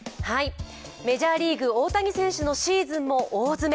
メジャーリーグ、大谷選手のシーズンも大詰め。